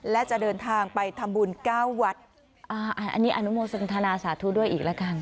และจะเดินทางไปทำบุญเก้าวัดอ่าอันนี้อนุโมสนทนาสาธุด้วยอีกแล้วกัน